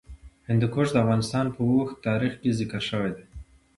هندوکش د افغانستان په اوږده تاریخ کې ذکر شوی دی.